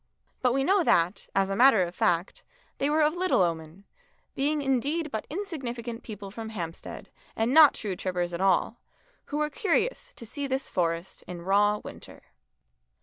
But we know that, as a matter of fact, they were of little omen, being indeed but insignificant people from Hampstead and not true trippers at all, who were curious to see this forest in raw winter.